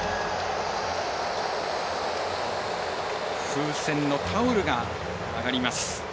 風船のタオルが上がります。